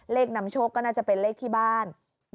นำโชคก็น่าจะเป็นเลขที่บ้าน